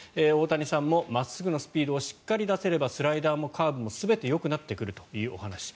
大谷さんも真っすぐのスピードをしっかり出せればスライダーもカーブも全てよくなってくるというお話。